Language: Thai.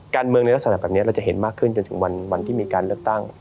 ในลักษณะแบบนี้เราจะเห็นมากขึ้นจนถึงวันที่มีการเลือกตั้ง